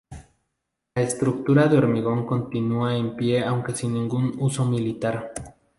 La estructura de hormigón continúa en pie aunque sin ningún uso militar.